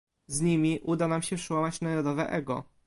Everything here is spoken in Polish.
z nimi uda nam się przełamać narodowe ego